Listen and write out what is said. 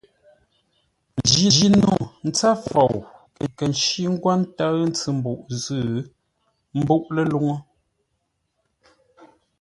Njino ntsə́ fou nkə̂ ncí ńgwó ńtə́ʉ ntsʉ-mbuʼ zʉ́ ḿbúʼ ləluŋú.